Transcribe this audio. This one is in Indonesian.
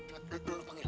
dulu dulu panggil